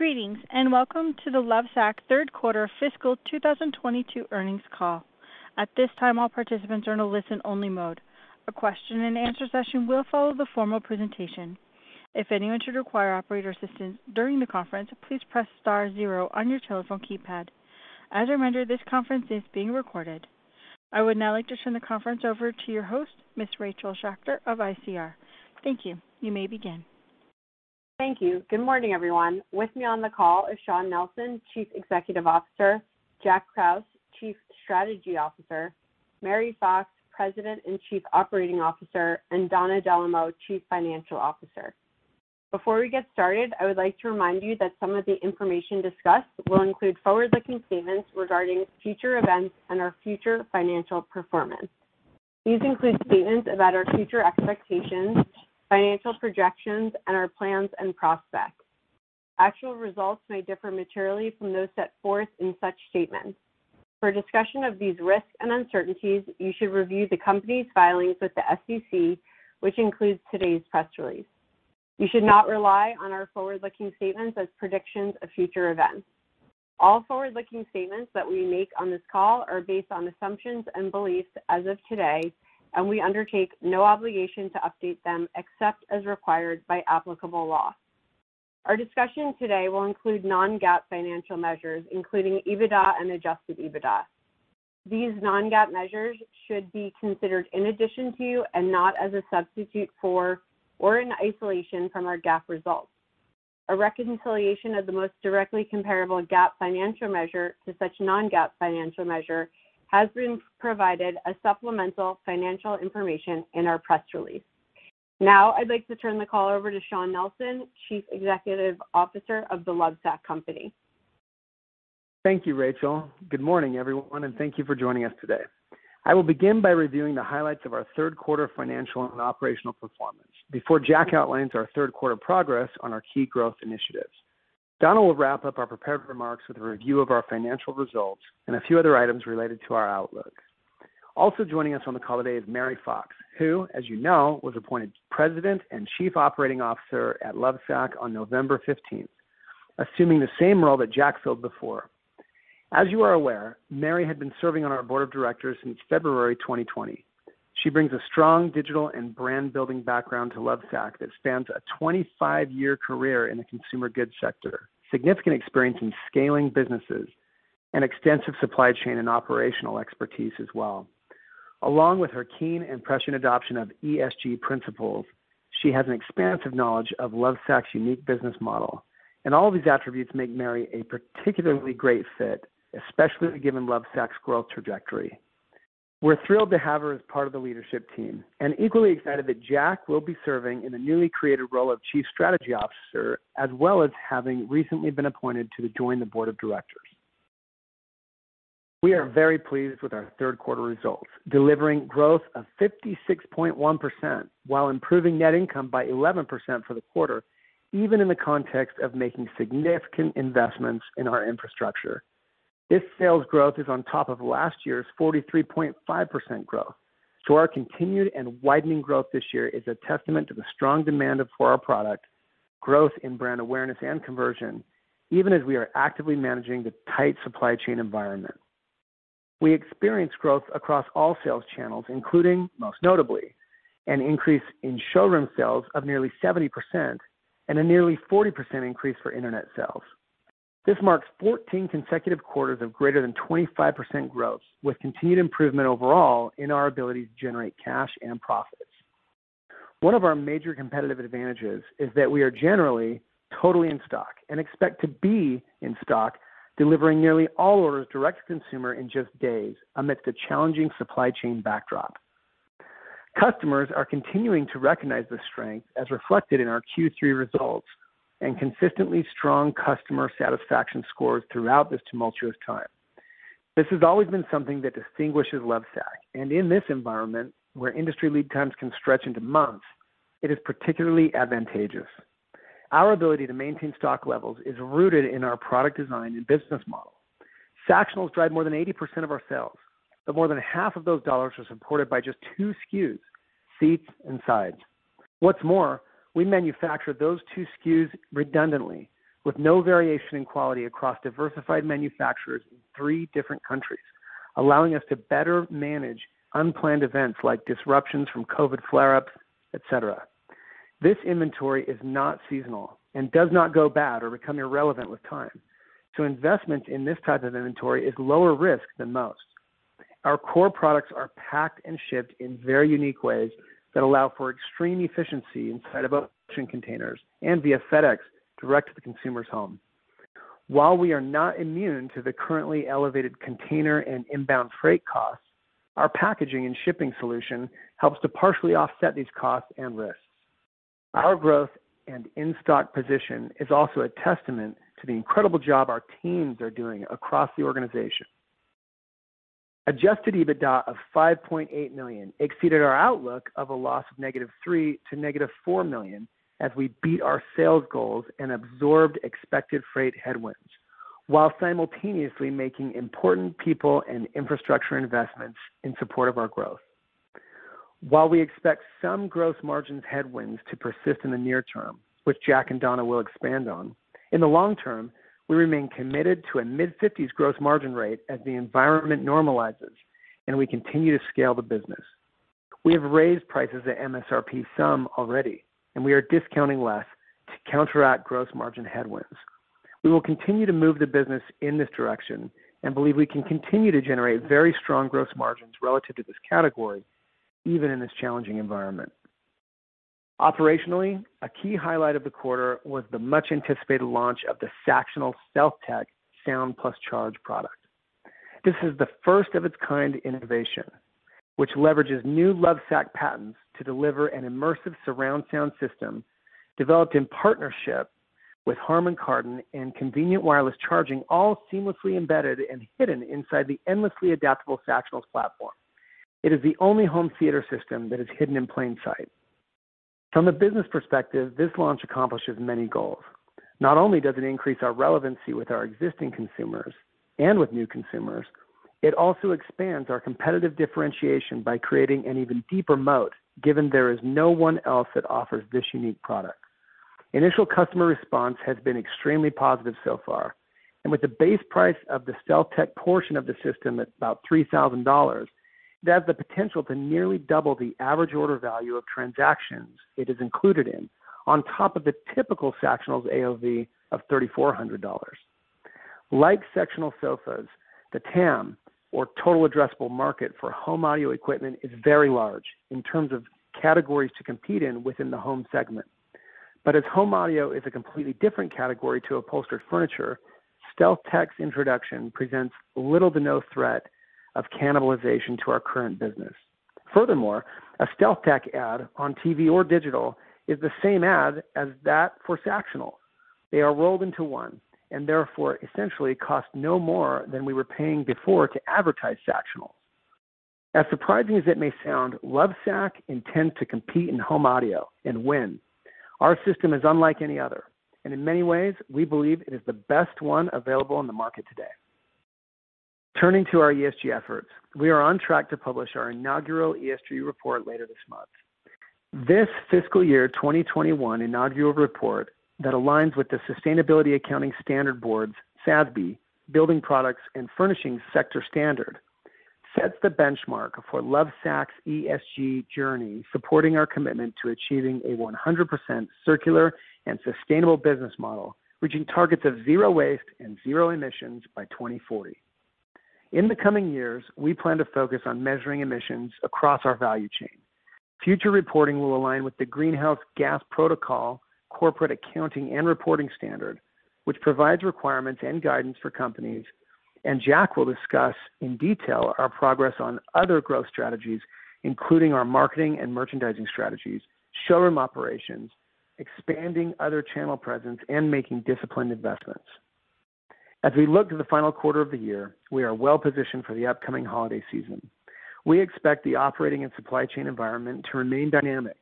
Greetings, and welcome to the Lovesac third quarter fiscal 2022 earnings call. At this time, all participants are in a listen-only mode. A question-and-answer session will follow the formal presentation. If anyone should require operator assistance during the conference, please press star zero on your telephone keypad. As a reminder, this conference is being recorded. I would now like to turn the conference over to your host, Ms. Rachel Schacter of ICR. Thank you. You may begin. Thank you. Good morning, everyone. With me on the call is Shawn Nelson, Chief Executive Officer, Jack Krause, Chief Strategy Officer, Mary Fox, President and Chief Operating Officer, and Donna Dellomo, Chief Financial Officer. Before we get started, I would like to remind you that some of the information discussed will include forward-looking statements regarding future events and our future financial performance. These include statements about our future expectations, financial projections, and our plans and prospects. Actual results may differ materially from those set forth in such statements. For a discussion of these risks and uncertainties, you should review the Company's filings with the SEC, which includes today's press release. You should not rely on our forward-looking statements as predictions of future events. All forward-looking statements that we make on this call are based on assumptions and beliefs as of today, and we undertake no obligation to update them except as required by applicable law. Our discussion today will include non-GAAP financial measures, including EBITDA and Adjusted EBITDA. These non-GAAP measures should be considered in addition to, and not as a substitute for or in isolation from, our GAAP results. A reconciliation of the most directly comparable GAAP financial measure to such non-GAAP financial measure has been provided as supplemental financial information in our press release. Now I'd like to turn the call over to Shawn Nelson, Chief Executive Officer of The Lovesac Company. Thank you, Rachel. Good morning, everyone, and thank you for joining us today. I will begin by reviewing the highlights of our third quarter financial and operational performance before Jack outlines our third quarter progress on our key growth initiatives. Donna will wrap up our prepared remarks with a review of our financial results and a few other items related to our outlook. Also joining us on the call today is Mary Fox, who, as you know, was appointed President and Chief Operating Officer at Lovesac on November 15, assuming the same role that Jack filled before. As you are aware, Mary had been serving on our board of directors since February 2020. She brings a strong digital and brand-building background to Lovesac that spans a 25-year career in the consumer goods sector, significant experience in scaling businesses, and extensive supply chain and operational expertise as well. Along with her keen and prescient adoption of ESG principles, she has an expansive knowledge of Lovesac's unique business model. All of these attributes make Mary a particularly great fit, especially given Lovesac's growth trajectory. We're thrilled to have her as part of the leadership team and equally excited that Jack will be serving in the newly created role of Chief Strategy Officer, as well as having recently been appointed to join the board of directors. We are very pleased with our third quarter results, delivering growth of 56.1% while improving net income by 11% for the quarter, even in the context of making significant investments in our infrastructure. This sales growth is on top of last year's 43.5% growth, so our continued and widening growth this year is a testament to the strong demand for our product, growth in brand awareness and conversion, even as we are actively managing the tight supply chain environment. We experienced growth across all sales channels, including, most notably, an increase in showroom sales of nearly 70% and a nearly 40% increase for internet sales. This marks 14 consecutive quarters of greater than 25% growth, with continued improvement overall in our ability to generate cash and profits. One of our major competitive advantages is that we are generally totally in stock and expect to be in stock, delivering nearly all orders direct to consumer in just days amidst a challenging supply chain backdrop. Customers are continuing to recognize this strength as reflected in our Q3 results and consistently strong customer satisfaction scores throughout this tumultuous time. This has always been something that distinguishes Lovesac, and in this environment, where industry lead times can stretch into months, it is particularly advantageous. Our ability to maintain stock levels is rooted in our product design and business model. Sactionals drive more than 80% of our sales, but more than half of those dollars are supported by just two SKUs, seats and sides. What's more, we manufacture those two SKUs redundantly with no variation in quality across diversified manufacturers in three different countries, allowing us to better manage unplanned events like disruptions from COVID-19 flare-ups, et cetera. This inventory is not seasonal and does not go bad or become irrelevant with time, so investment in this type of inventory is lower risk than most. Our core products are packed and shipped in very unique ways that allow for extreme efficiency inside of ocean containers and via FedEx direct to the consumer's home. While we are not immune to the currently elevated container and inbound freight costs, our packaging and shipping solution helps to partially offset these costs and risks. Our growth and in-stock position is also a testament to the incredible job our teams are doing across the organization. Adjusted EBITDA of $5.8 million exceeded our outlook of a loss of -$3 million to -$4 million as we beat our sales goals and absorbed expected freight headwinds while simultaneously making important people and infrastructure investments in support of our growth. While we expect some gross margins headwinds to persist in the near term, which Jack and Donna will expand on, in the long term, we remain committed to a mid-50s% gross margin rate as the environment normalizes and we continue to scale the business. We have raised prices at MSRP some already, and we are discounting less to counteract gross margin headwinds. We will continue to move the business in this direction and believe we can continue to generate very strong gross margins relative to this category, even in this challenging environment. Operationally, a key highlight of the quarter was the much anticipated launch of the Sactionals StealthTech Sound plus Charge product. This is the first of its kind innovation, which leverages new Lovesac patents to deliver an immersive surround sound system developed in partnership with Harman Kardon and convenient wireless charging, all seamlessly embedded and hidden inside the endlessly adaptable Sactionals platform. It is the only home theater system that is hidden in plain sight. From the business perspective, this launch accomplishes many goals. Not only does it increase our relevancy with our existing consumers and with new consumers, it also expands our competitive differentiation by creating an even deeper moat, given there is no one else that offers this unique product. Initial customer response has been extremely positive so far, and with the base price of the StealthTech portion of the system at about $3,000, it has the potential to nearly double the average order value of transactions it is included in on top of the typical Sactionals AOV of $3,400. Like Sactionals sofas, the TAM, or Total Addressable Market, for home audio equipment is very large in terms of categories to compete in within the home segment. As home audio is a completely different category to upholstered furniture, StealthTech's introduction presents little to no threat of cannibalization to our current business. Furthermore, a StealthTech ad on TV or digital is the same ad as that for Sactionals. They are rolled into one and therefore essentially cost no more than we were paying before to advertise Sactionals. As surprising as it may sound, Lovesac intends to compete in home audio and win. Our system is unlike any other, and in many ways, we believe it is the best one available on the market today. Turning to our ESG efforts, we are on track to publish our inaugural ESG report later this month. This fiscal year, 2021 inaugural report that aligns with the Sustainability Accounting Standards Board's, SASB, Building Products and Furnishings Sector Standard sets the benchmark for Lovesac's ESG journey, supporting our commitment to achieving a 100% circular and sustainable business model, reaching targets of zero waste and zero emissions by 2040. In the coming years, we plan to focus on measuring emissions across our value chain. Future reporting will align with the Greenhouse Gas Protocol Corporate Accounting and Reporting Standard, which provides requirements and guidance for companies. Jack will discuss in detail our progress on other growth strategies, including our marketing and merchandising strategies, showroom operations, expanding other channel presence, and making disciplined investments. As we look to the final quarter of the year, we are well positioned for the upcoming holiday season. We expect the operating and supply chain environment to remain dynamic,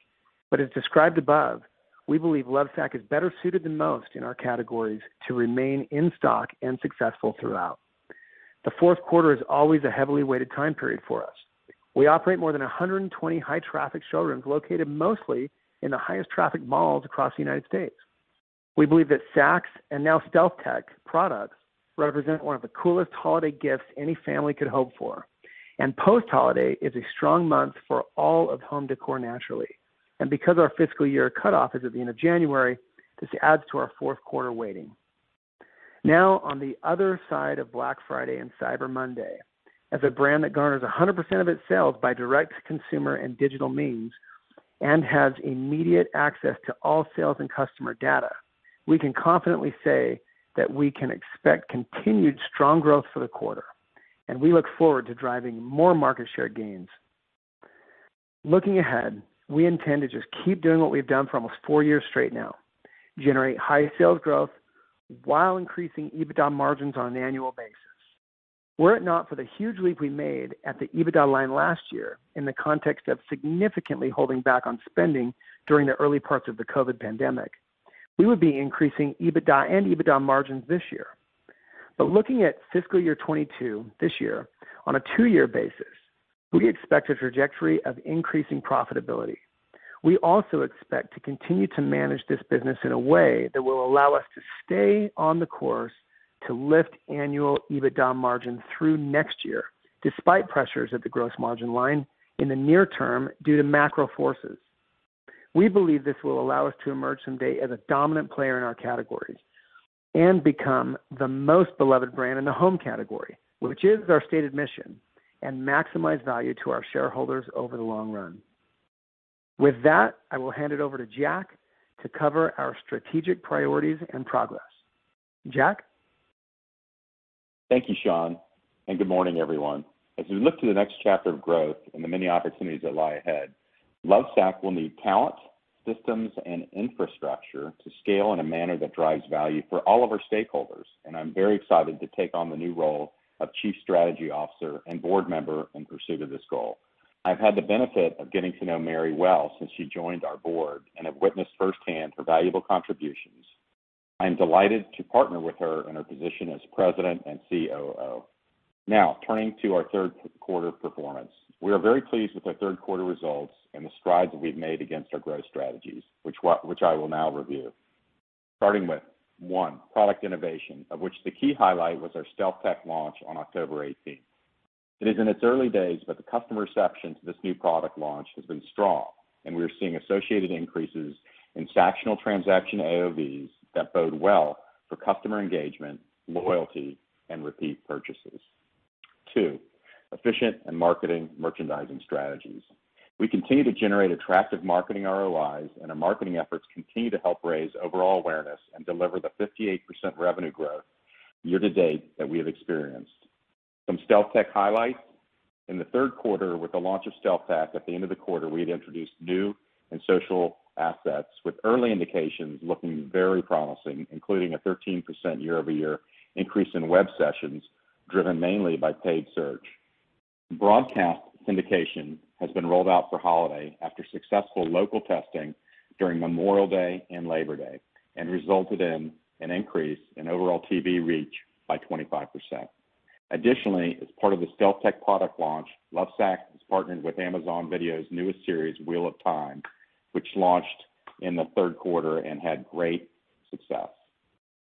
but as described above, we believe Lovesac is better suited than most in our categories to remain in stock and successful throughout. The fourth quarter is always a heavily weighted time period for us. We operate more than 120 high traffic showrooms located mostly in the highest traffic malls across the United States. We believe that Sacs and now StealthTech products represent one of the coolest holiday gifts any family could hope for. Post-holiday is a strong month for all of home decor, naturally. Because our fiscal year cutoff is at the end of January, this adds to our fourth quarter weighting. Now, on the other side of Black Friday and Cyber Monday, as a brand that garners 100% of its sales by direct-to-consumer and digital means and has immediate access to all sales and customer data, we can confidently say that we can expect continued strong growth for the quarter, and we look forward to driving more market share gains. Looking ahead, we intend to just keep doing what we've done for almost four years straight now, generate high sales growth while increasing EBITDA margins on an annual basis. Were it not for the huge leap we made at the EBITDA line last year in the context of significantly holding back on spending during the early parts of the COVID pandemic, we would be increasing EBITDA and EBITDA margins this year. Looking at fiscal year 2022, this year, on a two-year basis, we expect a trajectory of increasing profitability. We also expect to continue to manage this business in a way that will allow us to stay on the course to lift annual EBITDA margin through next year, despite pressures at the gross margin line in the near term due to macro forces. We believe this will allow us to emerge someday as a dominant player in our categories and become the most beloved brand in the home category, which is our stated mission, and maximize value to our shareholders over the long run. With that, I will hand it over to Jack to cover our strategic priorities and progress. Jack. Thank you, Shawn, and good morning, everyone. As we look to the next chapter of growth and the many opportunities that lie ahead, Lovesac will need talent, systems, and infrastructure to scale in a manner that drives value for all of our stakeholders, and I'm very excited to take on the new role of Chief Strategy Officer and board member in pursuit of this goal. I've had the benefit of getting to know Mary well since she joined our board and have witnessed firsthand her valuable contributions. I'm delighted to partner with her in her position as President and COO. Now, turning to our third quarter performance. We are very pleased with our third quarter results and the strides that we've made against our growth strategies, which I will now review. Starting with one, product innovation, of which the key highlight was our StealthTech launch on October 18th. It is in its early days, but the customer reception to this new product launch has been strong, and we are seeing associated increases in sectional transaction AOVs that bode well for customer engagement, loyalty, and repeat purchases. Two, efficient marketing and merchandising strategies. We continue to generate attractive marketing ROIs, and our marketing efforts continue to help raise overall awareness and deliver the 58% revenue growth year-to-date that we have experienced. Some StealthTech highlights. In the third quarter, with the launch of StealthTech at the end of the quarter, we had introduced new ad and social assets with early indications looking very promising, including a 13% year-over-year increase in web sessions, driven mainly by paid search. Broadcast syndication has been rolled out for holiday after successful local testing during Memorial Day and Labor Day, and resulted in an increase in overall TV reach by 25%. Additionally, as part of the StealthTech product launch, Lovesac has partnered with Amazon Prime Video's newest series, The Wheel of Time, which launched in the third quarter and had great success.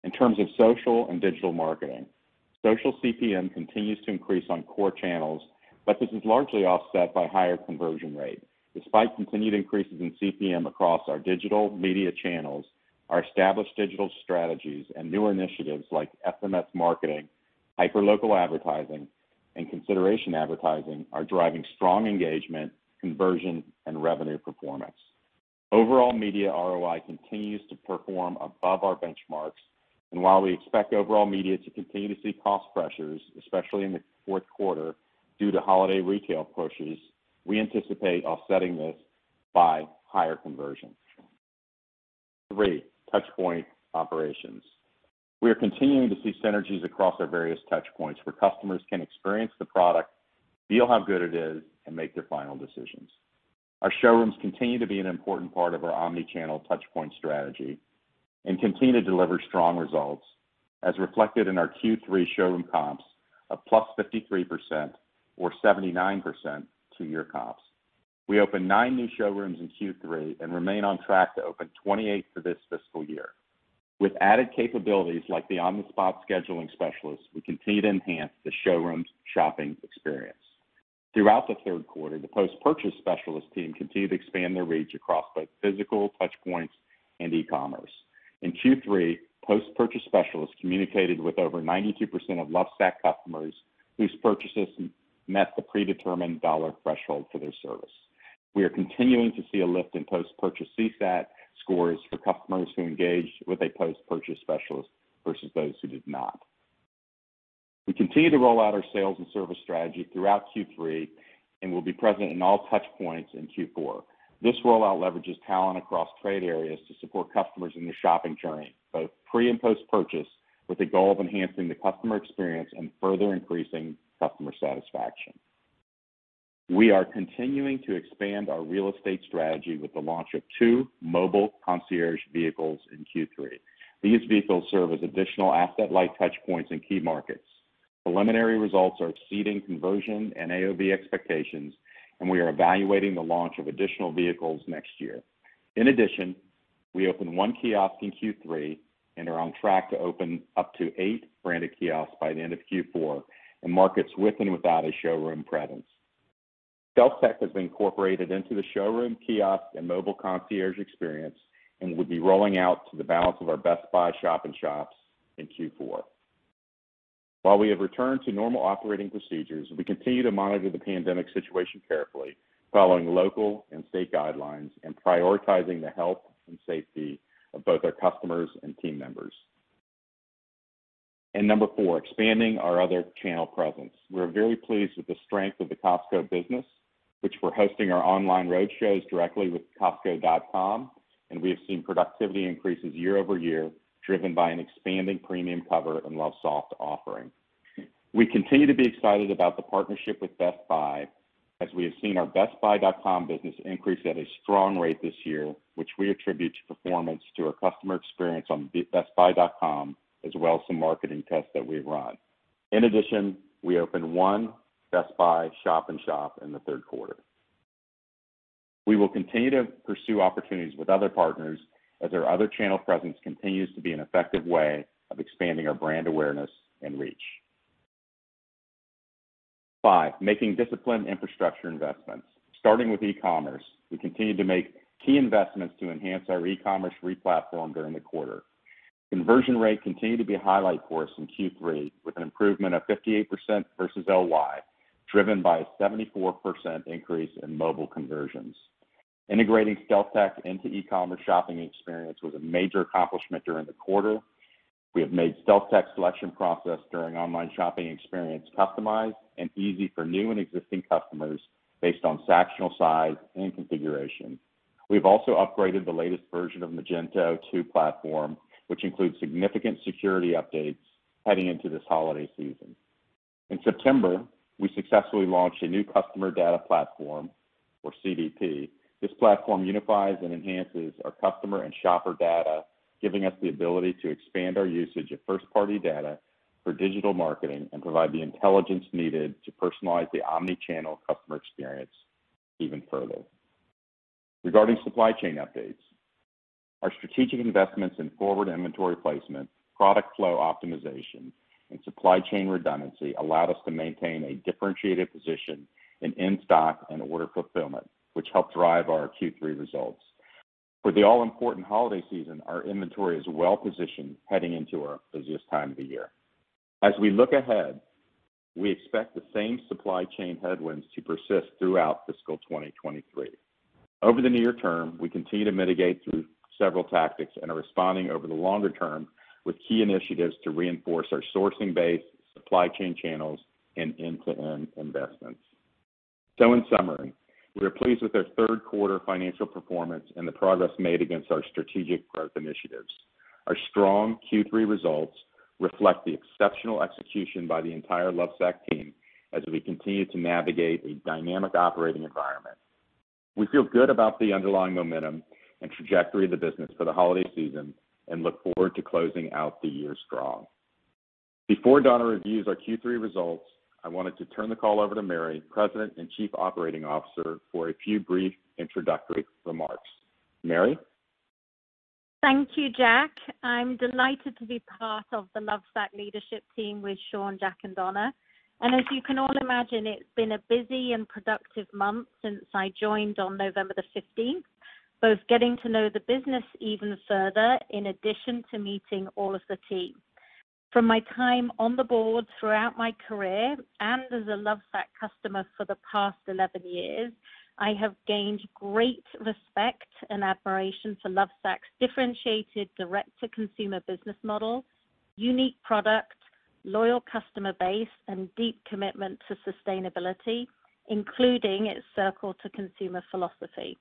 In terms of social and digital marketing, social CPM continues to increase on core channels, but this is largely offset by higher conversion rate. Despite continued increases in CPM across our digital media channels, our established digital strategies and newer initiatives like SMS marketing, hyperlocal advertising, and consideration advertising are driving strong engagement, conversion, and revenue performance. Overall media ROI continues to perform above our benchmarks. While we expect overall media to continue to see cost pressures, especially in the fourth quarter due to holiday retail pushes, we anticipate offsetting this by higher conversion. Three, touchpoint operations. We are continuing to see synergies across our various touchpoints where customers can experience the product, feel how good it is, and make their final decisions. Our showrooms continue to be an important part of our omni-channel touchpoint strategy and continue to deliver strong results as reflected in our Q3 showroom comps of +53% or 79% two-year comps. We opened nine new showrooms in Q3 and remain on track to open 28 for this fiscal year. With added capabilities like the on-the-spot scheduling specialists, we continue to enhance the showrooms' shopping experience. Throughout the third quarter, the post-purchase specialist team continued to expand their reach across both physical touchpoints and e-commerce. In Q3, post-purchase specialists communicated with over 92% of Lovesac customers whose purchases met the predetermined dollar threshold for their service. We are continuing to see a lift in post-purchase CSAT scores for customers who engaged with a post-purchase specialist versus those who did not. We continued to roll out our sales and service strategy throughout Q3 and will be present in all touchpoints in Q4. This rollout leverages talent across trade areas to support customers in their shopping journey, both pre- and post-purchase, with the goal of enhancing the customer experience and further increasing customer satisfaction. We are continuing to expand our real estate strategy with the launch of two mobile concierge vehicles in Q3. These vehicles serve as additional asset-light touchpoints in key markets. Preliminary results are exceeding conversion and AOV expectations, and we are evaluating the launch of additional vehicles next year. In addition, we opened one kiosk in Q3 and are on track to open up to eight branded kiosks by the end of Q4 in markets with and without a showroom presence. StealthTech has been incorporated into the showroom kiosk and mobile concierge experience and will be rolling out to the balance of our Best Buy shop in shops in Q4. While we have returned to normal operating procedures, we continue to monitor the pandemic situation carefully, following local and state guidelines and prioritizing the health and safety of both our customers and team members. Number four, expanding our other channel presence. We're very pleased with the strength of the Costco business, which we're hosting our online road shows directly with costco.com, and we have seen productivity increases year-over-year, driven by an expanding premium cover and Lovesoft offering. We continue to be excited about the partnership with Best Buy as we have seen our bestbuy.com business increase at a strong rate this year, which we attribute to the performance of our customer experience on bestbuy.com, as well as some marketing tests that we run. In addition, we opened one Best Buy shop in shop in the third quarter. We will continue to pursue opportunities with other partners as our other channel presence continues to be an effective way of expanding our brand awareness and reach. Five, making disciplined infrastructure investments. Starting with e-commerce, we continued to make key investments to enhance our e-commerce replatform during the quarter. Conversion rate continued to be a highlight for us in Q3 with an improvement of 58% versus LY, driven by a 74% increase in mobile conversions. Integrating StealthTech into e-commerce shopping experience was a major accomplishment during the quarter. We have made StealthTech selection process during online shopping experience customized and easy for new and existing customers based on sectional size and configuration. We've also upgraded the latest version of Magento 2 platform, which includes significant security updates heading into this holiday season. In September, we successfully launched a new customer data platform or CDP. This platform unifies and enhances our customer and shopper data, giving us the ability to expand our usage of first-party data for digital marketing and provide the intelligence needed to personalize the omni-channel customer experience even further. Regarding supply chain updates, our strategic investments in forward inventory placement, product flow optimization, and supply chain redundancy allowed us to maintain a differentiated position in in-stock and order fulfillment, which helped drive our Q3 results. For the all-important holiday season, our inventory is well positioned heading into our busiest time of the year. As we look ahead, we expect the same supply chain headwinds to persist throughout fiscal 2023. Over the near term, we continue to mitigate through several tactics and are responding over the longer term with key initiatives to reinforce our sourcing base, supply chain channels, and end-to-end investments. In summary, we are pleased with our third quarter financial performance and the progress made against our strategic growth initiatives. Our strong Q3 results reflect the exceptional execution by the entire Lovesac team as we continue to navigate a dynamic operating environment. We feel good about the underlying momentum and trajectory of the business for the holiday season and look forward to closing out the year strong. Before Donna reviews our Q3 results, I wanted to turn the call over to Mary, President and Chief Operating Officer, for a few brief introductory remarks. Mary. Thank you, Jack. I'm delighted to be part of the Lovesac leadership team with Shawn, Jack, and Donna. As you can all imagine, it's been a busy and productive month since I joined on November 15, both getting to know the business even further in addition to meeting all of the team. From my time on the board throughout my career and as a Lovesac customer for the past 11 years, I have gained great respect and admiration for Lovesac's differentiated direct-to-consumer business model, unique product, loyal customer base, and deep commitment to sustainability, including its circle to consumer philosophy.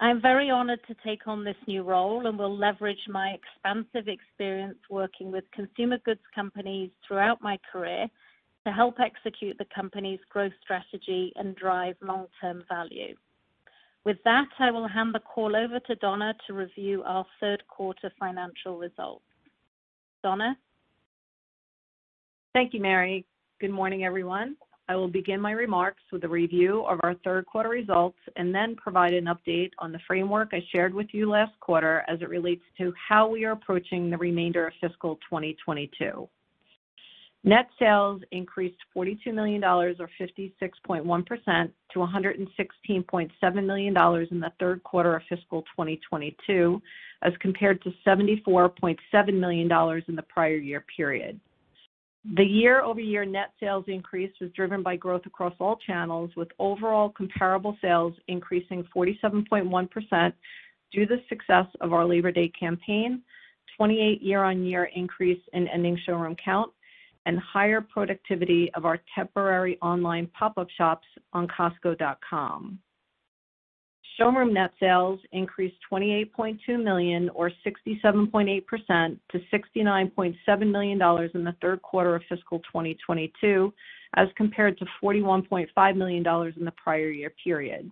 I'm very honored to take on this new role and will leverage my expansive experience working with consumer goods companies throughout my career to help execute the company's growth strategy and drive long-term value. With that, I will hand the call over to Donna to review our third quarter financial results. Donna. Thank you, Mary. Good morning, everyone. I will begin my remarks with a review of our third quarter results and then provide an update on the framework I shared with you last quarter as it relates to how we are approaching the remainder of fiscal 2022. Net sales increased $42 million or 56.1% to $116.7 million in the third quarter of fiscal 2022, as compared to $74.7 million in the prior year period. The year-over-year net sales increase was driven by growth across all channels, with overall comparable sales increasing 47.1% due to the success of our Labor Day campaign, 28 year on year increase in ending showroom count, and higher productivity of our temporary online pop-up shops on costco.com. Showroom net sales increased $28.2 million or 67.8% to $69.7 million in the third quarter of fiscal 2022, as compared to $41.5 million in the prior year period.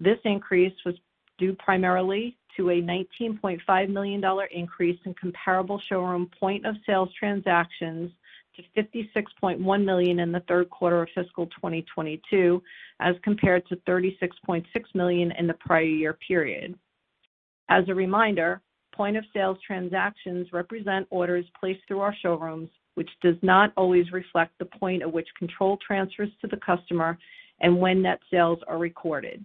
This increase was due primarily to a $19.5 million increase in comparable showroom point of sales transactions to $56.1 million in the third quarter of fiscal 2022, as compared to $36.6 million in the prior year period. As a reminder, point of sales transactions represent orders placed through our showrooms, which does not always reflect the point at which control transfers to the customer and when net sales are recorded.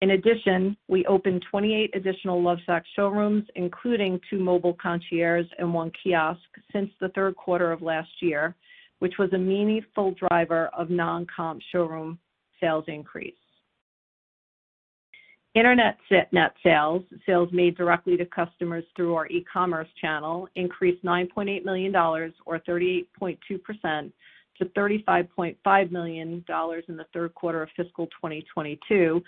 In addition, we opened 28 additional Lovesac showrooms, including two mobile concierges and one kiosk since the third quarter of last year, which was a meaningful driver of non-comp showroom sales increase. Internet net sales made directly to customers through our e-commerce channel, increased $9.8 million or 38.2% to $35.5 million in the third quarter of fiscal 2022,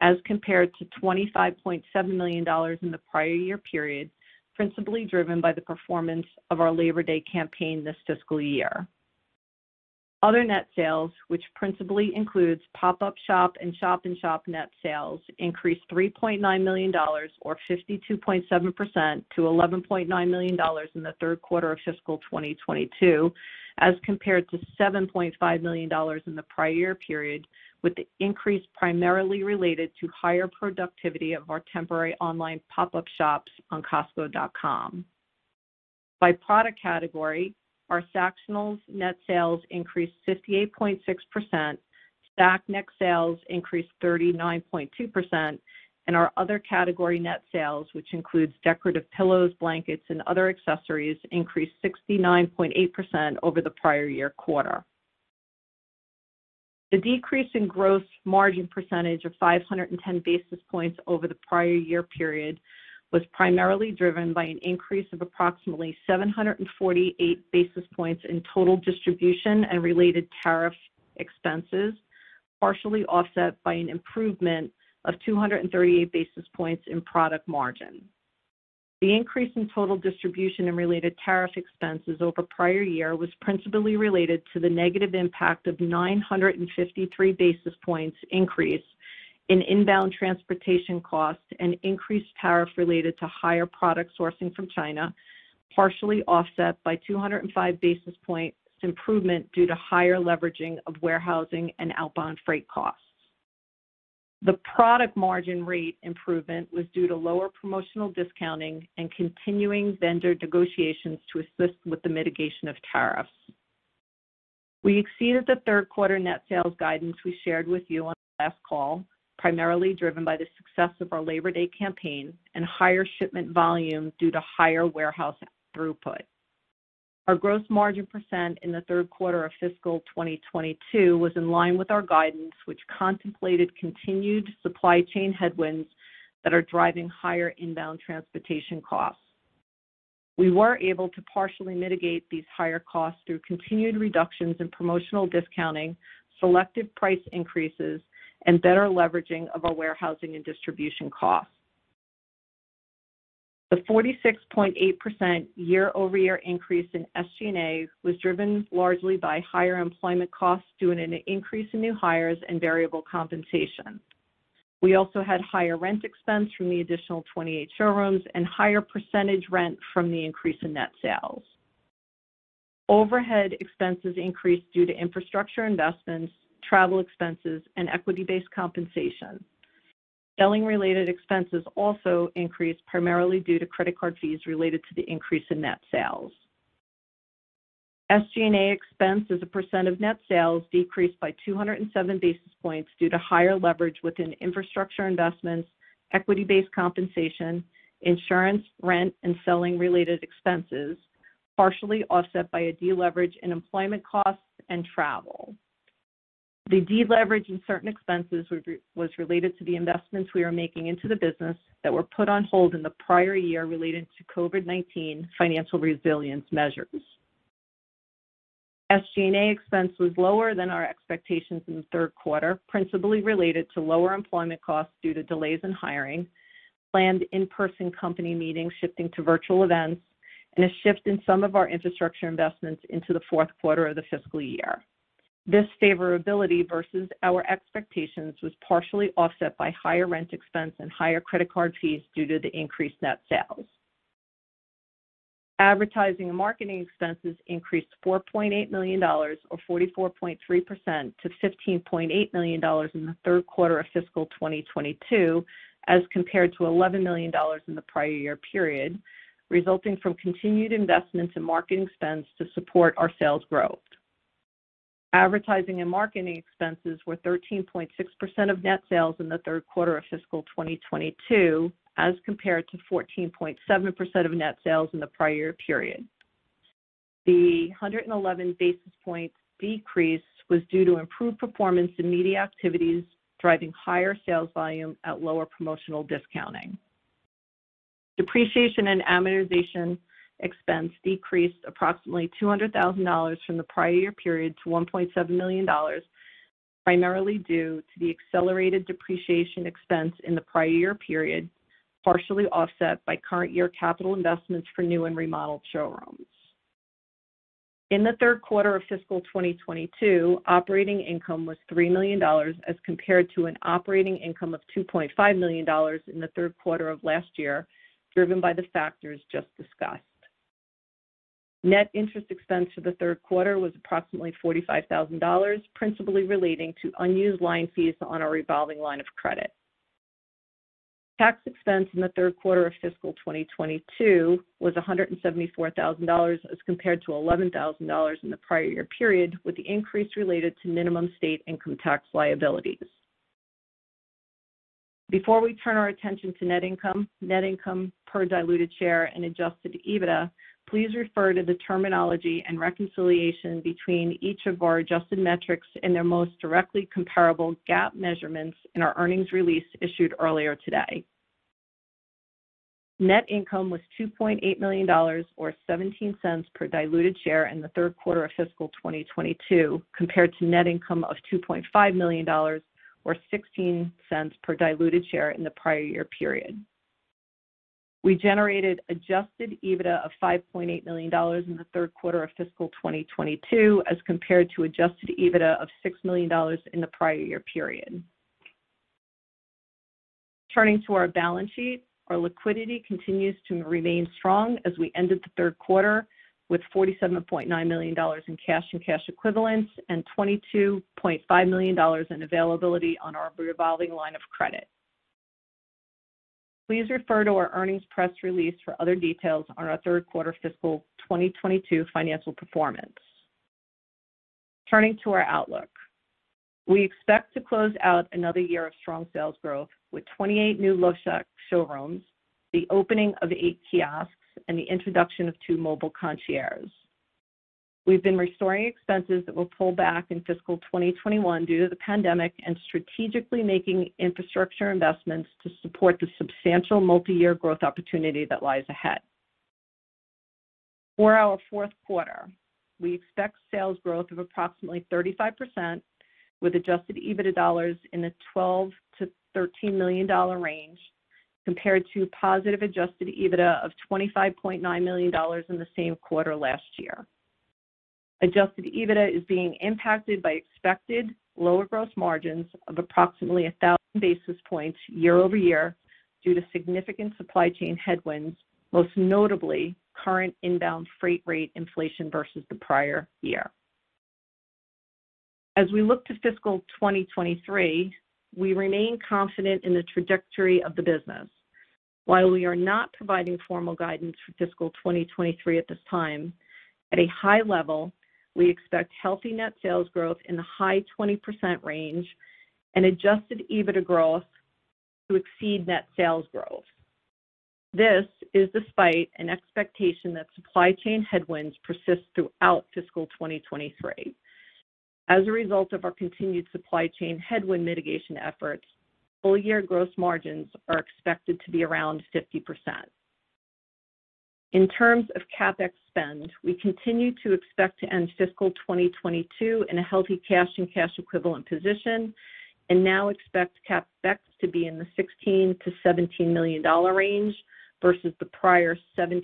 as compared to $25.7 million in the prior year period, principally driven by the performance of our Labor Day campaign this fiscal year. Other net sales, which principally includes pop-up shop and shop net sales, increased $3.9 million or 52.7% to $11.9 million in the third quarter of fiscal 2022, as compared to $7.5 million in the prior year period, with the increase primarily related to higher productivity of our temporary online pop-up shops on costco.com. By product category, our Sactionals net sales increased 58.6%, Sacs net sales increased 39.2%, and our other category net sales, which includes decorative pillows, blankets, and other accessories, increased 69.8% over the prior year quarter. The decrease in gross margin percentage of 510 basis points over the prior year period was primarily driven by an increase of approximately 748 basis points in total distribution and related tariff expenses, partially offset by an improvement of 238 basis points in product margin. The increase in total distribution and related tariff expenses over prior year was principally related to the negative impact of 953 basis points increase in inbound transportation costs and increased tariff related to higher product sourcing from China, partially offset by 205 basis points improvement due to higher leveraging of warehousing and outbound freight costs. The product margin rate improvement was due to lower promotional discounting and continuing vendor negotiations to assist with the mitigation of tariffs. We exceeded the third quarter net sales guidance we shared with you on the last call, primarily driven by the success of our Labor Day campaign and higher shipment volume due to higher warehouse throughput. Our gross margin percent in the third quarter of fiscal 2022 was in line with our guidance, which contemplated continued supply chain headwinds that are driving higher inbound transportation costs. We were able to partially mitigate these higher costs through continued reductions in promotional discounting, selective price increases, and better leveraging of our warehousing and distribution costs. The 46.8% year-over-year increase in SG&A was driven largely by higher employment costs due to an increase in new hires and variable compensation. We also had higher rent expense from the additional 28 showrooms and higher percentage rent from the increase in net sales. Overhead expenses increased due to infrastructure investments, travel expenses, and equity-based compensation. Selling-related expenses also increased, primarily due to credit card fees related to the increase in net sales. SG&A expense as a percent of net sales decreased by 207 basis points due to higher leverage within infrastructure investments, equity-based compensation, insurance, rent, and selling-related expenses, partially offset by a deleverage in employment costs and travel. The deleverage in certain expenses was related to the investments we are making into the business that were put on hold in the prior year related to COVID-19 financial resilience measures. SG&A expense was lower than our expectations in the third quarter, principally related to lower employment costs due to delays in hiring, planned in-person company meetings shifting to virtual events, and a shift in some of our infrastructure investments into the fourth quarter of the fiscal year. This favorability versus our expectations was partially offset by higher rent expense and higher credit card fees due to the increased net sales. Advertising and marketing expenses increased $4.8 million or 44.3% to $15.8 million in the third quarter of fiscal 2022, as compared to $11 million in the prior year period, resulting from continued investments in marketing spends to support our sales growth. Advertising and marketing expenses were 13.6% of net sales in the third quarter of fiscal 2022, as compared to 14.7% of net sales in the prior period. The 111 basis points decrease was due to improved performance in media activities, driving higher sales volume at lower promotional discounting. Depreciation and amortization expense decreased approximately $200,000 from the prior year period to $1.7 million, primarily due to the accelerated depreciation expense in the prior year period, partially offset by current year capital investments for new and remodeled showrooms. In the third quarter of fiscal 2022, operating income was $3 million, as compared to an operating income of $2.5 million in the third quarter of last year, driven by the factors just discussed. Net interest expense for the third quarter was approximately $45,000, principally relating to unused line fees on our revolving line of credit. Tax expense in the third quarter of fiscal 2022 was $174,000 as compared to $11,000 in the prior year period, with the increase related to minimum state income tax liabilities. Before we turn our attention to net income, net income per diluted share, and Adjusted EBITDA, please refer to the terminology and reconciliation between each of our adjusted metrics and their most directly comparable GAAP measurements in our earnings release issued earlier today. Net income was $2.8 million or $0.17 per diluted share in the third quarter of fiscal 2022, compared to net income of $2.5 million or $0.16 per diluted share in the prior year period. We generated Adjusted EBITDA of $5.8 million in the third quarter of fiscal 2022, as compared to Adjusted EBITDA of $6 million in the prior year period. Turning to our balance sheet, our liquidity continues to remain strong as we ended the third quarter with $47.9 million in cash and cash equivalents and $22.5 million in availability on our revolving line of credit. Please refer to our earnings press release for other details on our third quarter fiscal 2022 financial performance. Turning to our outlook. We expect to close out another year of strong sales growth with 28 new Lovesac showrooms, the opening of 8 kiosks, and the introduction of two mobile concierges. We've been restoring expenses that were pulled back in fiscal 2021 due to the pandemic and strategically making infrastructure investments to support the substantial multi-year growth opportunity that lies ahead. For our fourth quarter, we expect sales growth of approximately 35% with Adjusted EBITDA dollars in the $12 million-$13 million range compared to positive Adjusted EBITDA of $25.9 million dollars in the same quarter last year. Adjusted EBITDA is being impacted by expected lower gross margins of approximately 1,000 basis points year-over-year due to significant supply chain headwinds, most notably current inbound freight rate inflation versus the prior year. As we look to fiscal 2023, we remain confident in the trajectory of the business. While we are not providing formal guidance for fiscal 2023 at this time, at a high level, we expect healthy net sales growth in the high 20% range and Adjusted EBITDA growth to exceed net sales growth. This is despite an expectation that supply chain headwinds persist throughout fiscal 2023. As a result of our continued supply chain headwind mitigation efforts, full year gross margins are expected to be around 50%. In terms of CapEx spend, we continue to expect to end fiscal 2022 in a healthy cash and cash equivalent position and now expect CapEx to be in the $16 million-$17 million range versus the prior $17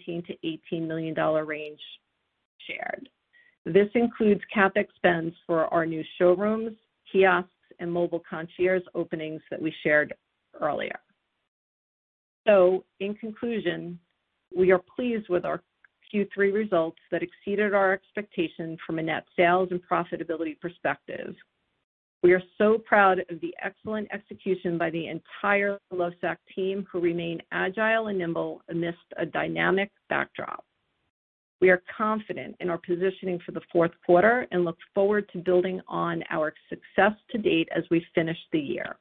million-$18 million range shared. This includes CapEx spends for our new showrooms, kiosks, and mobile concierge openings that we shared earlier. In conclusion, we are pleased with our Q3 results that exceeded our expectations from a net sales and profitability perspective. We are so proud of the excellent execution by the entire Lovesac team, who remain agile and nimble amidst a dynamic backdrop. We are confident in our positioning for the fourth quarter and look forward to building on our success to date as we finish the year.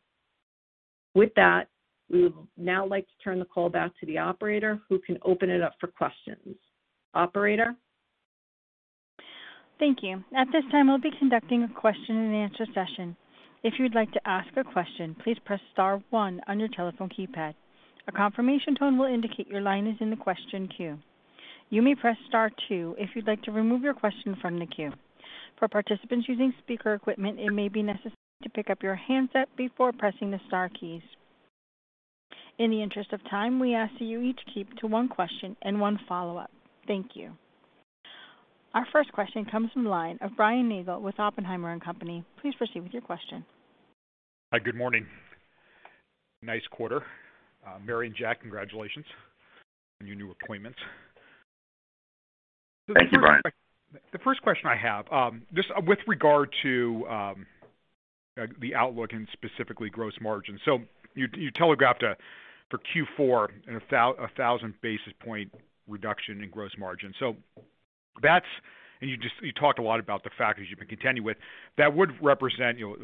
With that, we would now like to turn the call back to the operator who can open it up for questions. Operator? Thank you. At this time, we'll be conducting a question and answer session. If you'd like to ask a question, please press star one on your telephone keypad. A confirmation tone will indicate your line is in the question queue. You may press star two if you'd like to remove your question from the queue. For participants using speaker equipment, it may be necessary to pick up your handset before pressing the star keys. In the interest of time, we ask you each keep to one question and one follow-up. Thank you. Our first question comes from the line of Brian Nagel with Oppenheimer & Co. Inc. Please proceed with your question. Hi, good morning. Nice quarter. Mary and Jack, congratulations on your new appointments. Thank you, Brian. The first question I have just with regard to the outlook and specifically gross margin. You telegraphed for Q4 a thousand basis point reduction in gross margin. That's. You talked a lot about the factors you've been continuing with. That would represent, you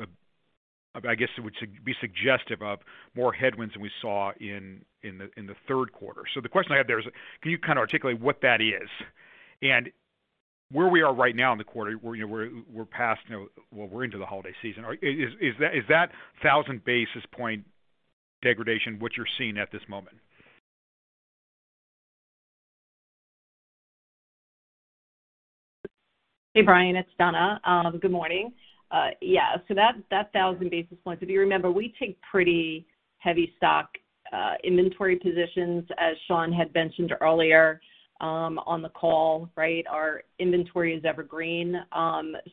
know, I guess it would be suggestive of more headwinds than we saw in the third quarter. The question I have there is, can you kind of articulate what that is and where we are right now in the quarter? You know, we're past, you know. Well, we're into the holiday season. Is that thousand basis point degradation what you're seeing at this moment? Hey, Brian Nagel, it's Donna Dellomo. Good morning. That 1,000 basis points, if you remember, we take pretty heavy stock inventory positions, as Shawn Nelson had mentioned earlier on the call, right? Our inventory is evergreen.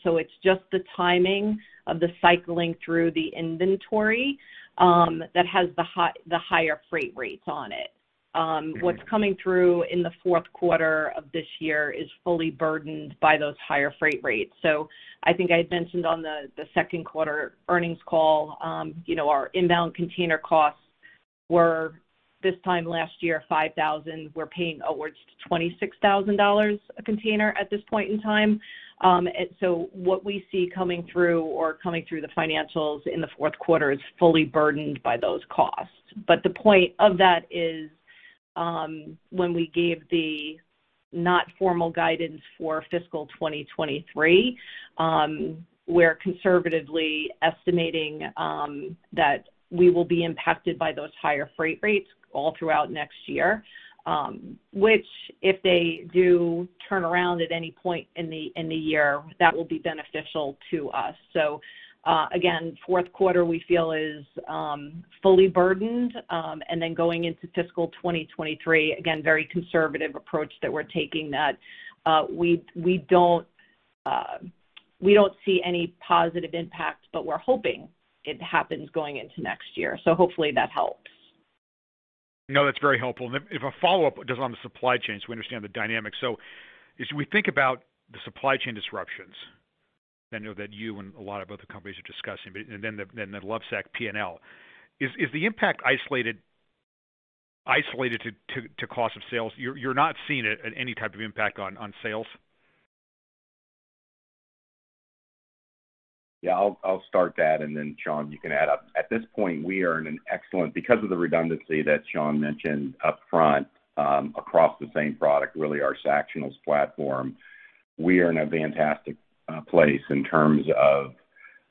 It's just the timing of the cycling through the inventory that has the higher freight rates on it. What's coming through in the fourth quarter of this year is fully burdened by those higher freight rates. I think I had mentioned on the second quarter earnings call, you know, our inbound container costs were this time last year $5,000. We're paying upwards to $26,000 a container at this point in time. What we see coming through the financials in the fourth quarter is fully burdened by those costs. The point of that is, when we gave the informal guidance for fiscal 2023, we're conservatively estimating that we will be impacted by those higher freight rates all throughout next year, which if they do turn around at any point in the year, that will be beneficial to us. Again, fourth quarter we feel is fully burdened. Then going into fiscal 2023, again, very conservative approach that we're taking that we don't see any positive impact, but we're hoping it happens going into next year. Hopefully that helps. No, that's very helpful. If a follow-up just on the supply chain so we understand the dynamics. As we think about the supply chain disruptions, I know that you and a lot of other companies are discussing, but and then the Lovesac P&L. Is the impact isolated to cost of sales? You're not seeing it at any type of impact on sales? I'll start that, then Shawn, you can add up. At this point, because of the redundancy that Shawn mentioned upfront, across the same product, really our Sactionals platform, we are in a fantastic place in terms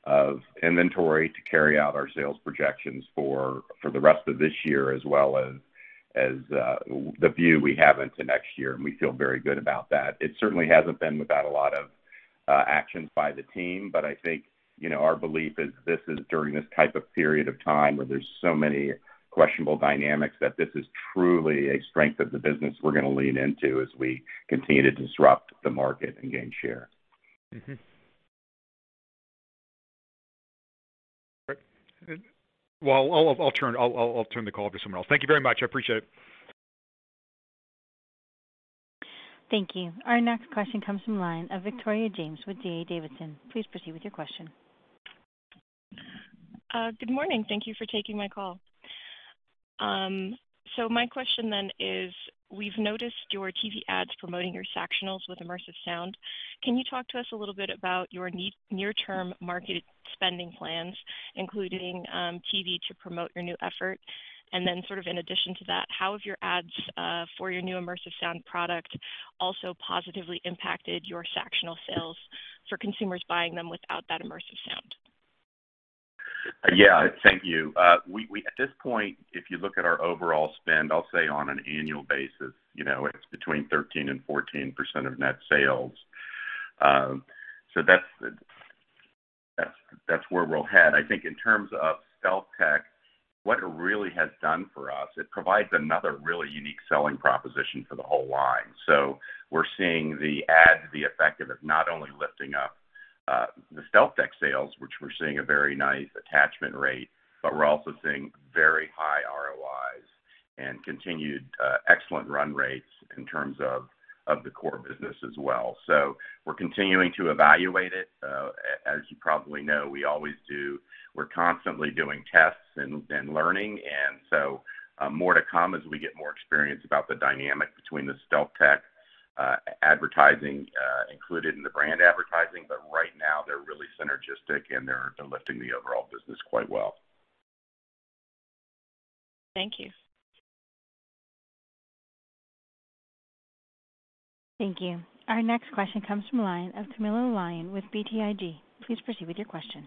of inventory to carry out our sales projections for the rest of this year as well as the view we have into next year, and we feel very good about that. It certainly hasn't been without a lot of action by the team, but I think, you know, our belief is this is during this type of period of time where there's so many questionable dynamics that this is truly a strength of the business we're gonna lean into as we continue to disrupt the market and gain share. Well, I'll turn the call over to someone else. Thank you very much. I appreciate it. Thank you. Our next question comes from the line of Thomas Forte with D.A. Davidson. Please proceed with your question. Good morning. Thank you for taking my call. My question is, we've noticed your TV ads promoting your Sactionals with immersive sound. Can you talk to us a little bit about your near-term market spending plans, including TV, to promote your new effort? Sort of in addition to that, how have your ads for your new immersive sound product also positively impacted your Sactionals sales for consumers buying them without that immersive sound? Thank you. At this point, if you look at our overall spend, I'll say on an annual basis, you know, it's between 13% and 14% of net sales. That's where we're headed. I think in terms of StealthTech, what it really has done for us, it provides another really unique selling proposition for the whole line. We're seeing the ads be effective of not only lifting up the StealthTech sales, which we're seeing a very nice attachment rate, but we're also seeing very high ROIs and continued excellent run rates in terms of the core business as well. We're continuing to evaluate it. As you probably know, we always do. We're constantly doing tests and learning, so more to come as we get more experience about the dynamic between the StealthTech advertising included in the brand advertising. Right now, they're really synergistic and they're lifting the overall business quite well. Thank you. Thank you. Our next question comes from the line of Camilo Lyon with BTIG. Please proceed with your question.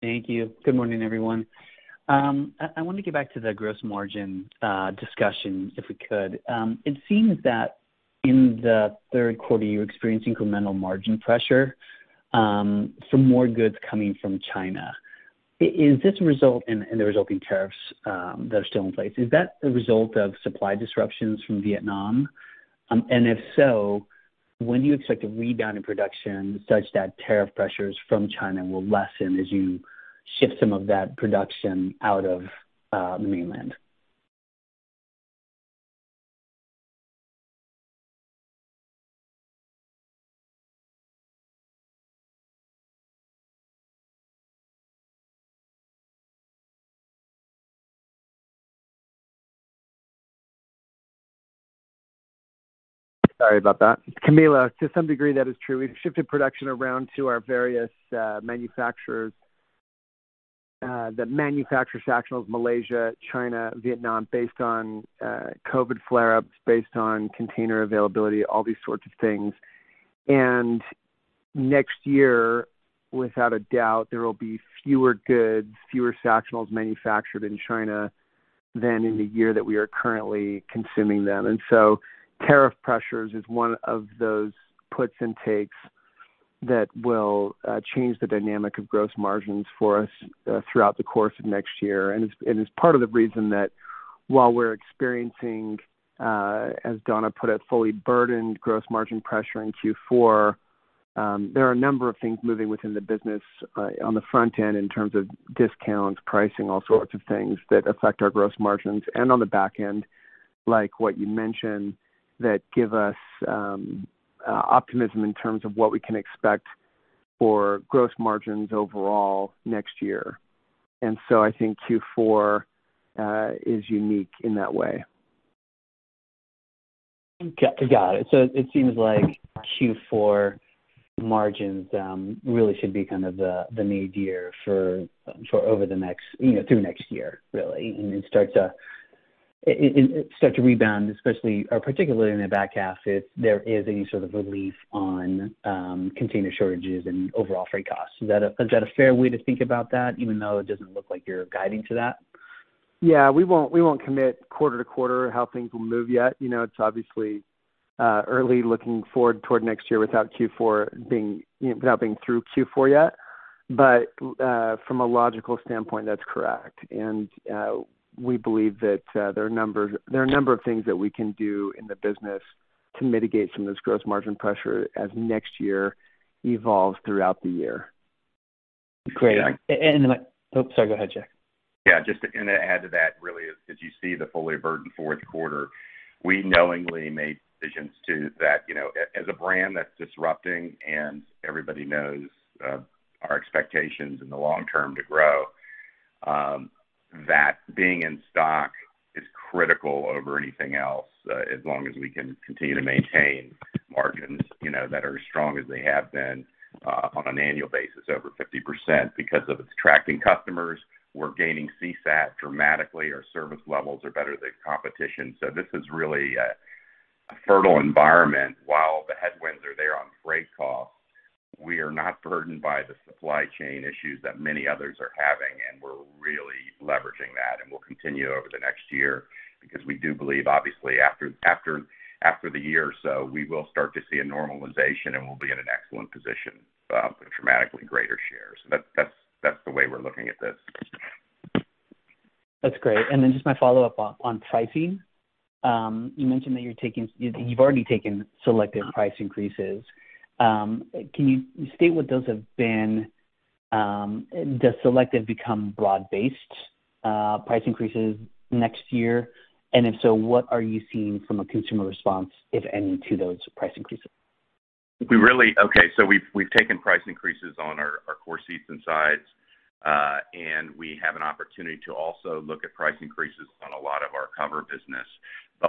Thank you. Good morning, everyone. I wanna get back to the gross margin discussion, if we could. It seems that in the third quarter, you experienced incremental margin pressure from more goods coming from China and the resulting tariffs that are still in place. Is this a result of supply disruptions from Vietnam? If so, when do you expect a rebound in production such that tariff pressures from China will lessen as you shift some of that production out of the mainland? Sorry about that. Camilo, to some degree, that is true. We've shifted production around to our various manufacturers that manufacture sectionals, Malaysia, China, Vietnam, based on COVID flare-ups, based on container availability, all these sorts of things. Next year, without a doubt, there will be fewer goods, fewer sectionals manufactured in China than in the year that we are currently consuming them. Tariff pressures is one of those puts and takes that will change the dynamic of gross margins for us throughout the course of next year. It's part of the reason that while we're experiencing, as Donna put it, fully burdened gross margin pressure in Q4, there are a number of things moving within the business on the front end in terms of discounts, pricing, all sorts of things that affect our gross margins. On the back end, like what you mentioned, that give us optimism in terms of what we can expect for gross margins overall next year. I think Q4 is unique in that way. Got it. So it seems like Q4 margins really should be kind of the low for the year for over the next, you know, through next year, really. It starts to rebound, especially or particularly in the back half if there is any sort of relief on container shortages and overall freight costs. Is that a fair way to think about that, even though it doesn't look like you're guiding to that? Yeah. We won't commit quarter to quarter how things will move yet. You know, it's obviously early looking forward toward next year without Q4 being, you know, without being through Q4 yet. From a logical standpoint, that's correct. We believe that there are a number of things that we can do in the business to mitigate some of this gross margin pressure as next year evolves throughout the year. Great. Oops, sorry, go ahead, Jack. Yeah, just to add to that, really, as you see the fully burdened fourth quarter, we knowingly made decisions too that, you know, as a brand that's disrupting and everybody knows, our expectations in the long term to grow, that being in stock is critical over anything else, as long as we can continue to maintain margins, you know, that are as strong as they have been, on an annual basis, over 50%. Because if it's attracting customers, we're gaining CSAT dramatically, our service levels are better than competition. This is really a fertile environment while the headwinds are there on freight costs. We are not burdened by the supply chain issues that many others are having, and we're really leveraging that, and we'll continue over the next year because we do believe, obviously, after the year or so, we will start to see a normalization and we'll be in an excellent position with dramatically greater share. That's the way we're looking at this. That's great. Just my follow-up on pricing. You mentioned that you've already taken selective price increases. Can you state what those have been? Does selective become broad-based price increases next year? If so, what are you seeing from a consumer response, if any, to those price increases? We've taken price increases on our core seats and sides. We have an opportunity to also look at price increases on a lot of our cover business.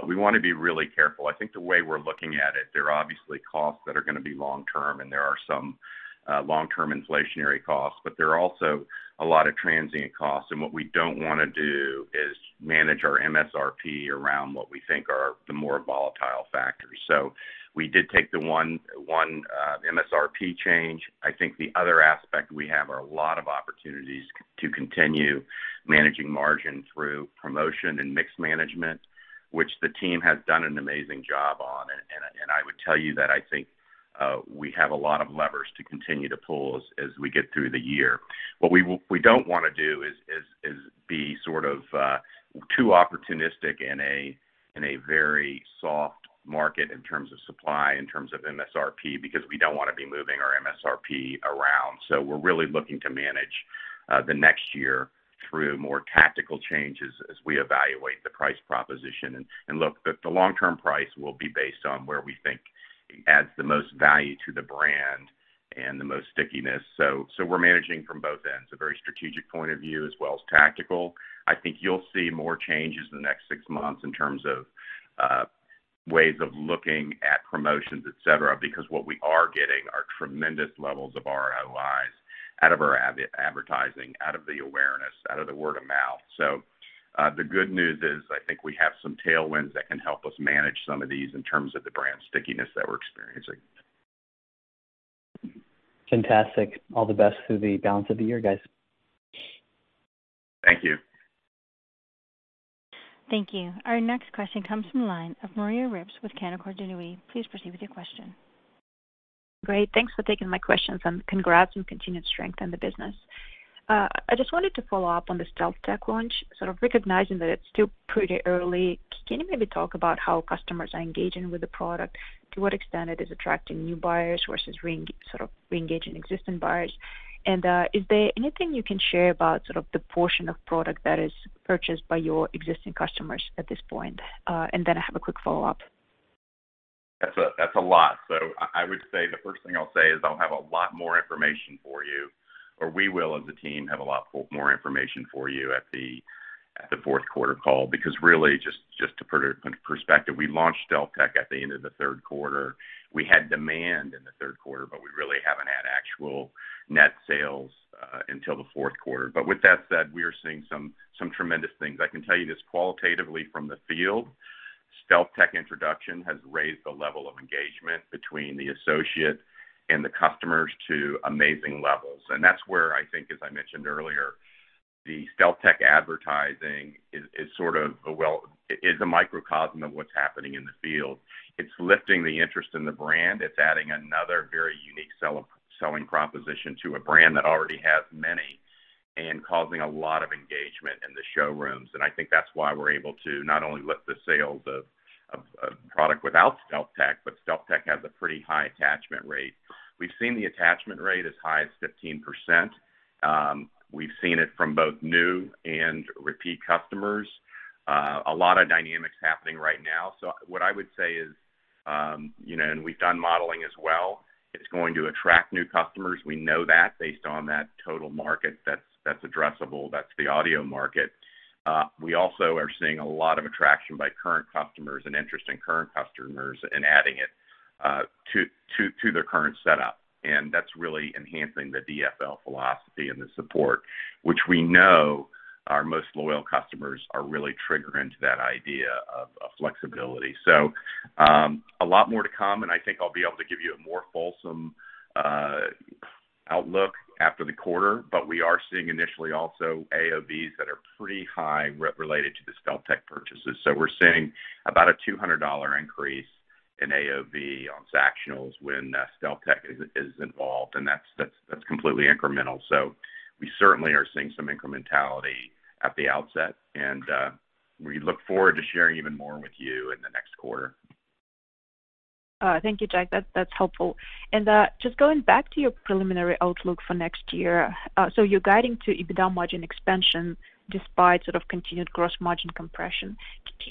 We wanna be really careful. I think the way we're looking at it, there are obviously costs that are gonna be long term, and there are some long-term inflationary costs, but there are also a lot of transient costs. What we don't wanna do is manage our MSRP around what we think are the more volatile factors. We did take the one MSRP change. I think the other aspect we have are a lot of opportunities to continue managing margin through promotion and mix management, which the team has done an amazing job on. I would tell you that I think we have a lot of levers to continue to pull as we get through the year. What we don't wanna do is be sort of too opportunistic in a very soft market in terms of supply, in terms of MSRP, because we don't wanna be moving our MSRP around. We're really looking to manage the next year through more tactical changes as we evaluate the price proposition. Look, the long-term price will be based on where we think adds the most value to the brand and the most stickiness. We're managing from both ends, a very strategic point of view as well as tactical. I think you'll see more changes in the next six months in terms of ways of looking at promotions, et cetera, because what we are getting are tremendous levels of ROIs out of our advertising, out of the awareness, out of the word of mouth. The good news is, I think we have some tailwinds that can help us manage some of these in terms of the brand stickiness that we're experiencing. Fantastic. All the best through the balance of the year, guys. Thank you. Thank you. Our next question comes from the line of Maria Ripps with Canaccord Genuity. Please proceed with your question. Great. Thanks for taking my questions and congrats on continued strength in the business. I just wanted to follow up on the StealthTech launch, sort of recognizing that it's still pretty early. Can you maybe talk about how customers are engaging with the product? To what extent it is attracting new buyers versus sort of re-engaging existing buyers? Is there anything you can share about sort of the portion of product that is purchased by your existing customers at this point? Then I have a quick follow-up. That's a lot. I would say the first thing I'll say is I'll have a lot more information for you, or we will, as a team, have a lot more information for you at the fourth quarter call. Because really, just to put it in perspective, we launched StealthTech at the end of the third quarter. We had demand in the third quarter, but we really haven't had actual net sales until the fourth quarter. With that said, we are seeing some tremendous things. I can tell you this qualitatively from the field. StealthTech introduction has raised the level of engagement between the associate and the customers to amazing levels. That's where I think, as I mentioned earlier, the StealthTech advertising is sort of a microcosm of what's happening in the field. It's lifting the interest in the brand. It's adding another very unique selling proposition to a brand that already has many and causing a lot of engagement in the showrooms. I think that's why we're able to not only lift the sales of product without StealthTech, but StealthTech has a pretty high attachment rate. We've seen the attachment rate as high as 15%. We've seen it from both new and repeat customers. A lot of dynamics happening right now. What I would say is, we've done modeling as well. It's going to attract new customers. We know that based on that total market that's addressable, that's the audio market. We also are seeing a lot of attraction by current customers and interest in current customers and adding it to their current setup. That's really enhancing the DFL philosophy and the support, which we know our most loyal customers are really triggering to that idea of flexibility. A lot more to come, and I think I'll be able to give you a more fulsome outlook after the quarter. We are seeing initially also AOV that are pretty high related to the StealthTech purchases. We're seeing about a 200 increase in AOV on Sactionals when StealthTech is involved, and that's completely incremental. We certainly are seeing some incrementality at the outset, and we look forward to sharing even more with you in the next quarter. Thank you, Jack. That's helpful. Just going back to your preliminary outlook for next year. You're guiding to EBITDA margin expansion despite sort of continued gross margin compression.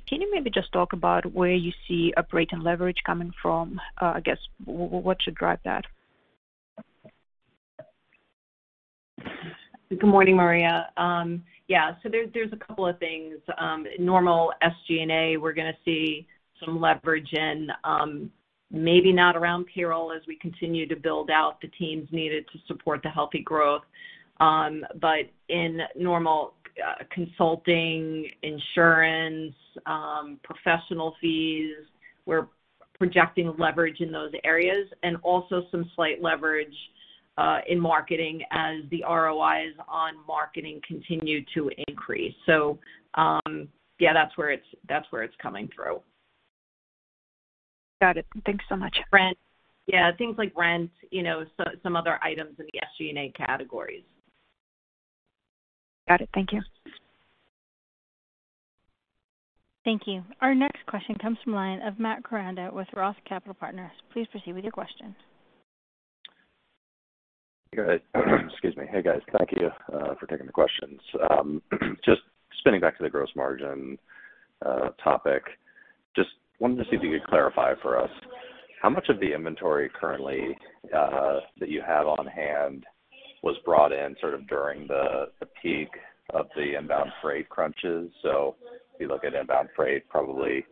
Can you maybe just talk about where you see operating leverage coming from? I guess what should drive that? Good morning, Maria. Yeah. There's a couple of things. Normal SG&A, we're gonna see some leverage in- Maybe not around payroll as we continue to build out the teams needed to support the healthy growth. In normal consulting, insurance, professional fees, we're projecting leverage in those areas and also some slight leverage in marketing as the ROIs on marketing continue to increase. That's where it's coming through. Got it. Thanks so much. Rent. Yeah, things like rent, you know, some other items in the SG&A categories. Got it. Thank you. Thank you. Our next question comes from the line of Matt Koranda with ROTH Capital Partners. Please proceed with your question. Go ahead. Excuse me. Hey, guys. Thank you for taking the questions. Just spinning back to the gross margin topic. Just wanted to see if you could clarify for us how much of the inventory currently that you have on hand was brought in sort of during the peak of the inbound freight crunches. If you look at inbound freight, probably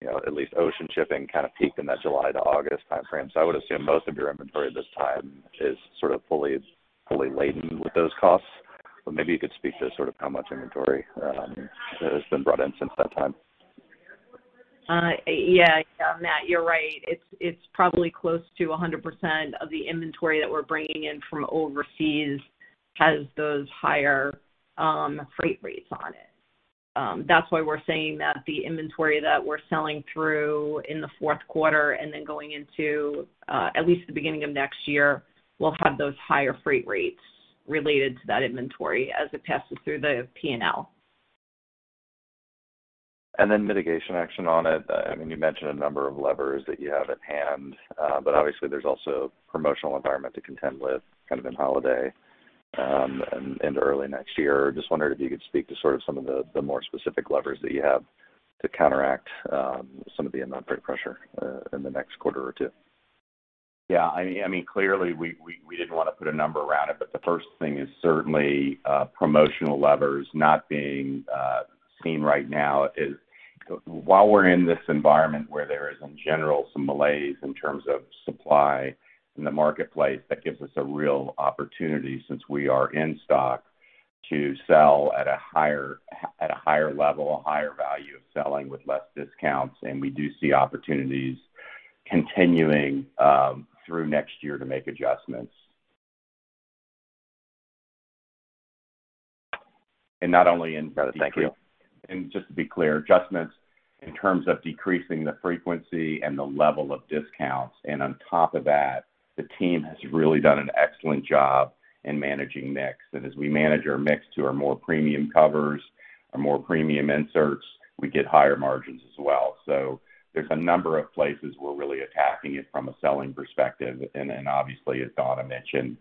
you know at least ocean shipping kind of peaked in that July to August timeframe. I would assume most of your inventory at this time is sort of fully laden with those costs. Maybe you could speak to sort of how much inventory has been brought in since that time. Yeah, Matt, you're right. It's probably close to 100% of the inventory that we're bringing in from overseas has those higher freight rates on it. That's why we're saying that the inventory that we're selling through in the fourth quarter and then going into at least the beginning of next year will have those higher freight rates related to that inventory as it passes through the P&L. Then mitigation action on it. I mean, you mentioned a number of levers that you have at hand, but obviously there's also promotional environment to contend with kind of in holiday, and into early next year. Just wondering if you could speak to sort of some of the more specific levers that you have to counteract, some of the inbound freight pressure, in the next quarter or two. Yeah, I mean, clearly, we didn't wanna put a number around it, but the first thing is certainly promotional levers not being seen right now is while we're in this environment where there is in general some malaise in terms of supply in the marketplace, that gives us a real opportunity since we are in stock to sell at a higher level, a higher value of selling with less discounts. We do see opportunities continuing through next year to make adjustments. Not only in- Got it. Thank you. Just to be clear, adjustments in terms of decreasing the frequency and the level of discounts. On top of that, the team has really done an excellent job in managing mix. As we manage our mix to our more premium covers or more premium inserts, we get higher margins as well. There's a number of places we're really attacking it from a selling perspective. Then obviously, as Donna mentioned,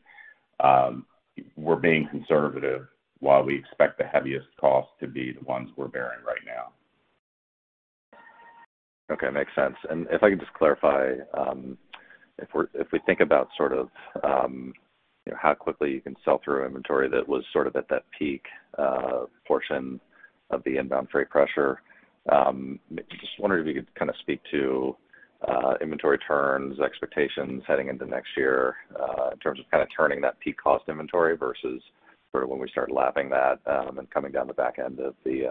we're being conservative while we expect the heaviest costs to be the ones we're bearing right now. Okay. Makes sense. If I could just clarify, if we think about sort of, you know, how quickly you can sell through inventory that was sort of at that peak portion of the inbound freight pressure, just wondering if you could kinda speak to inventory turns expectations heading into next year, in terms of kinda turning that peak cost inventory versus sort of when we start lapping that, and then coming down the back end of the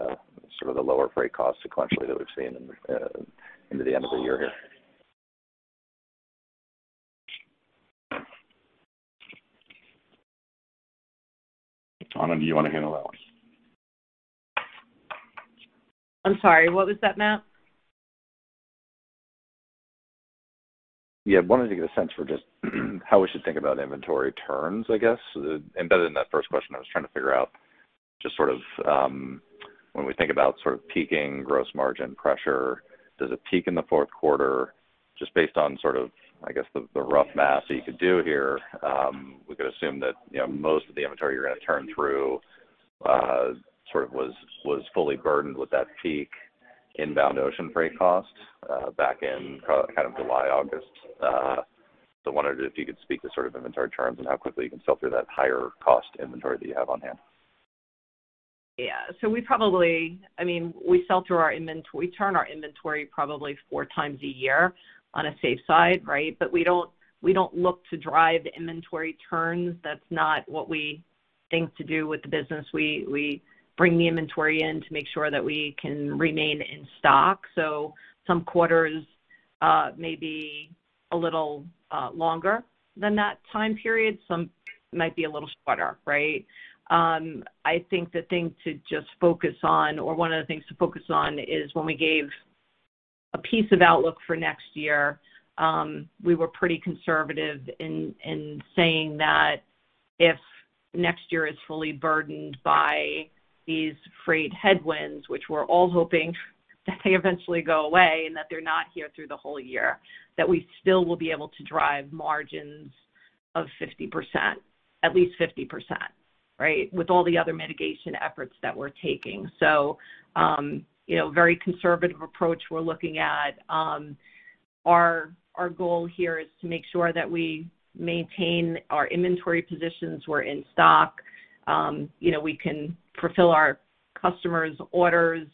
sort of the lower freight costs sequentially that we've seen into the end of the year here. Donna, do you wanna handle that one? I'm sorry, what was that, Matt? Yeah. Wanted to get a sense for just how we should think about inventory turns, I guess. Embedded in that first question, I was trying to figure out just sort of when we think about sort of peaking gross margin pressure, does it peak in the fourth quarter? Just based on sort of, I guess, the rough math that you could do here, we could assume that, you know, most of the inventory you're gonna turn through sort of was fully burdened with that peak inbound ocean freight cost back in kind of July, August. So wondered if you could speak to sort of inventory terms and how quickly you can sell through that higher cost inventory that you have on hand. We probably, I mean, we turn our inventory four times a year on a safe side, right? We don't look to drive inventory turns. That's not what we think to do with the business. We bring the inventory in to make sure that we can remain in stock. Some quarters may be a little longer than that time period, some might be a little shorter, right? I think the thing to just focus on or one of the things to focus on is when we gave a piece of outlook for next year, we were pretty conservative in saying that if next year is fully burdened by these freight headwinds, which we're all hoping that they eventually go away and that they're not here through the whole year, that we still will be able to drive margins of 50%, at least 50%, right, with all the other mitigation efforts that we're taking. You know, very conservative approach we're looking at. Our goal here is to make sure that we maintain our inventory positions. We're in stock. You know, we can fulfill our Customers, orders,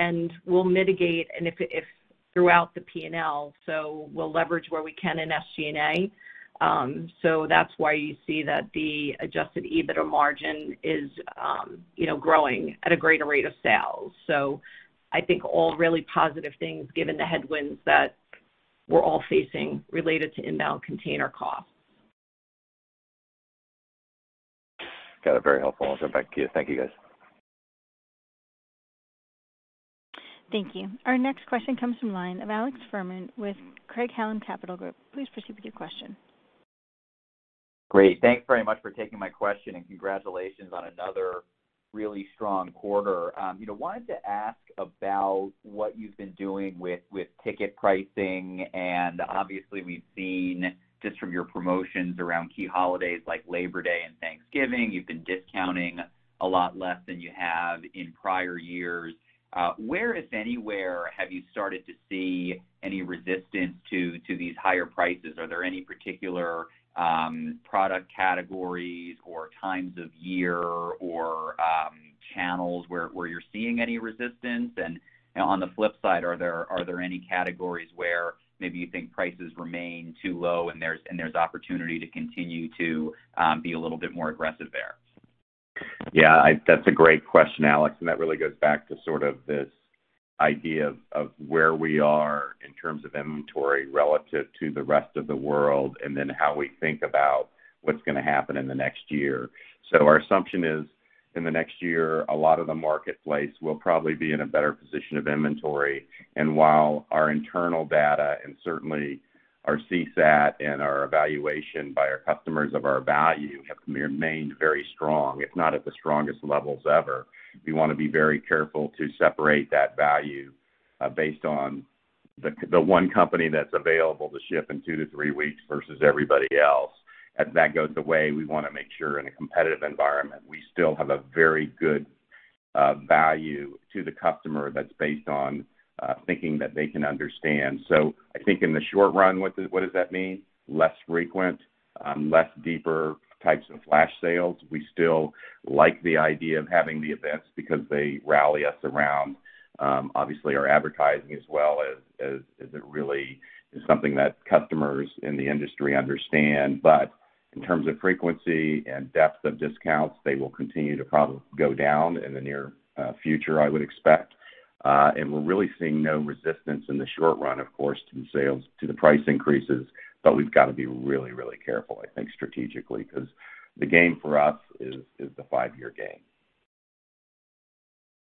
and we'll mitigate and if if throughout the P&L, so we'll leverage where we can in SG&A. That's why you see that the Adjusted EBITDA margin is, you know, growing at a greater rate than sales. I think all really positive things given the headwinds that we're all facing related to inbound container costs. Got it. Very helpful. I'll jump back to you. Thank you, guys. Thank you. Our next question comes from the line of Alex Fuhrman with Craig-Hallum Capital Group. Please proceed with your question. Great. Thanks very much for taking my question, and congratulations on another really strong quarter. You know, wanted to ask about what you've been doing with ticket pricing. Obviously we've seen just from your promotions around key holidays like Labor Day and Thanksgiving, you've been discounting a lot less than you have in prior years. Where, if anywhere, have you started to see any resistance to these higher prices? Are there any particular product categories or times of year or channels where you're seeing any resistance? On the flip side, are there any categories where maybe you think prices remain too low and there's opportunity to continue to be a little bit more aggressive there? Yeah, that's a great question, Alex, and that really goes back to sort of this idea of where we are in terms of inventory relative to the rest of the world and then how we think about what's gonna happen in the next year. Our assumption is in the next year, a lot of the marketplace will probably be in a better position of inventory. And while our internal data and certainly our CSAT and our evaluation by our customers of our value have remained very strong, if not at the strongest levels ever, we wanna be very careful to separate that value based on the one company that's available to ship in two to three weeks versus everybody else. As that goes away, we wanna make sure in a competitive environment, we still have a very good value to the customer that's based on thinking that they can understand. I think in the short run, what does that mean? Less frequent, less deeper types of flash sales. We still like the idea of having the events because they rally us around obviously our advertising as well as it really is something that customers in the industry understand. In terms of frequency and depth of discounts, they will continue to probably go down in the near future, I would expect. We're really seeing no resistance in the short run, of course, to the sales, to the price increases, but we've gotta be really, really careful, I think, strategically, 'cause the game for us is the five-year game.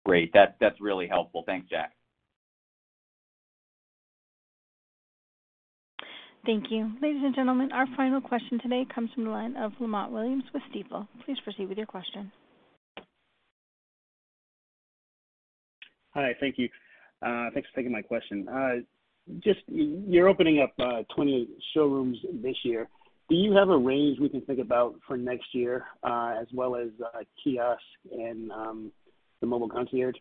Great. That's really helpful. Thanks, Jack. Thank you. Ladies and gentlemen, our final question today comes from the line of Lamont Williams with Stifel. Please proceed with your question. Hi. Thank you. Thanks for taking my question. Just, you're opening up 20 showrooms this year. Do you have a range we can think about for next year, as well as kiosks and the mobile concierge?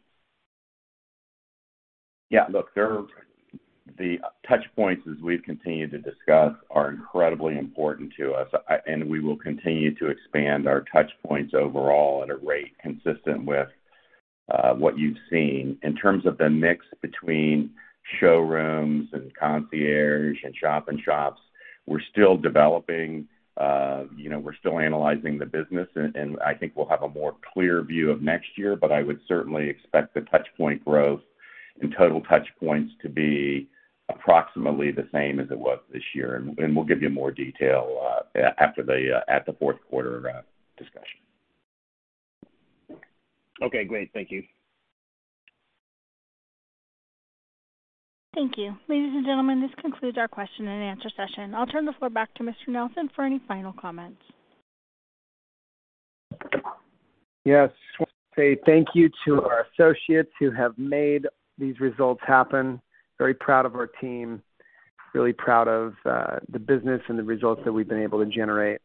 Yeah. Look, the touch points, as we've continued to discuss, are incredibly important to us. We will continue to expand our touch points overall at a rate consistent with what you've seen. In terms of the mix between showrooms and concierge and shop in shops, we're still developing, you know, we're still analyzing the business and I think we'll have a more clear view of next year, but I would certainly expect the touch point growth and total touch points to be approximately the same as it was this year, and we'll give you more detail after the fourth quarter discussion. Okay, great. Thank you. Thank you. Ladies and gentlemen, this concludes our question and answer session. I'll turn the floor back to Mr. Nelson for any final comments. Yes. Just wanna say thank you to our associates who have made these results happen. Very proud of our team. Really proud of the business and the results that we've been able to generate.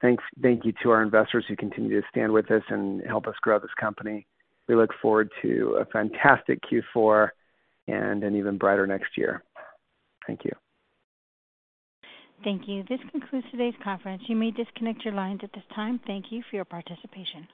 Thank you to our investors who continue to stand with us and help us grow this company. We look forward to a fantastic Q4 and an even brighter next year. Thank you. Thank you. This concludes today's conference. You may disconnect your lines at this time. Thank you for your participation.